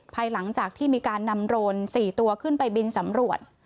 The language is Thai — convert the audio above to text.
ภายหลังจากที่มีการนำโรน๔ตัวขึ้นไปบินสำรวจ